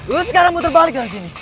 lo sekarang muter balik dari sini